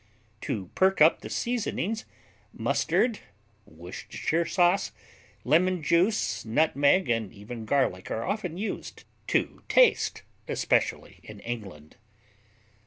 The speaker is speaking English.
To perk up the seasonings, mustard, Worcestershire sauce, lemon juice, nutmeg and even garlic are often used to taste, especially in England.